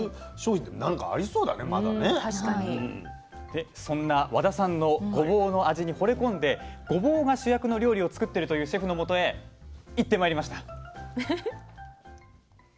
でそんな和田さんのごぼうの味にほれ込んでごぼうが主役の料理を作ってるというシェフのもとへ行ってまいりました。